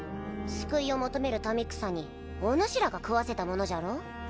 救いを求める民草におぬしらが食わせたものじゃろう